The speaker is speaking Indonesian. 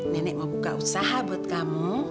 nenek mau buka usaha buat kamu